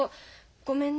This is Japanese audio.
ごめんね。